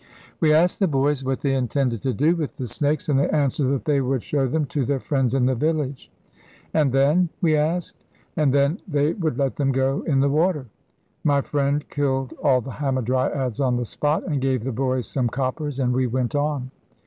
We asked the boys what they intended to do with the snakes, and they answered that they would show them to their friends in the village. 'And then?' we asked. And then they would let them go in the water. My friend killed all the hamadryads on the spot, and gave the boys some coppers, and we went on.